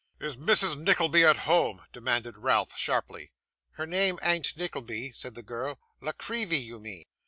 'Is Mrs. Nickleby at home, girl?' demanded Ralph sharply. 'Her name ain't Nickleby,' said the girl, 'La Creevy, you mean.